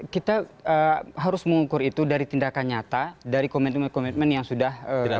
kita harus mengukur itu dari tindakan nyata dari komitmen komitmen yang sudah dilakukan